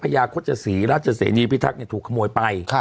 พญาโฆษศรีราชเศรษฐีพิทักษ์เนี่ยถูกขโมยไป